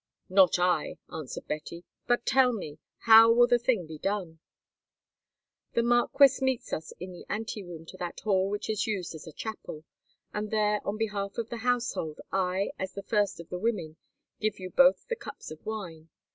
"Not I," answered Betty. "But tell me, how will the thing be done?" "The marquis meets us in the ante room to that hall which is used as a chapel, and there on behalf of the household I, as the first of the women, give you both the cups of wine.